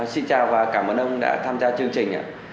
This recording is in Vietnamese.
xin chào và cảm ơn ông đã tham gia chương trình